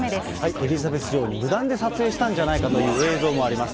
エリザベス女王に無断で撮影したんじゃないかという映像もあります。